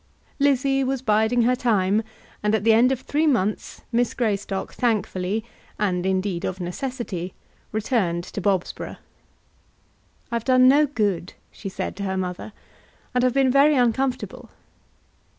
Lizzie was biding her time, and at the end of the three months Miss Greystock thankfully, and, indeed, of necessity, returned to Bobsborough. "I've done no good," she said to her mother, "and have been very uncomfortable."